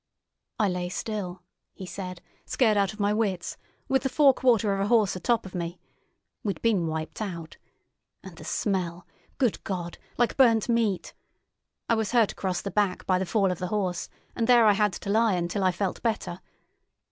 "I lay still," he said, "scared out of my wits, with the fore quarter of a horse atop of me. We'd been wiped out. And the smell—good God! Like burnt meat! I was hurt across the back by the fall of the horse, and there I had to lie until I felt better.